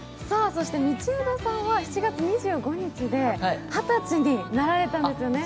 そして道枝さんは７月２５日で二十歳になられたんですよね。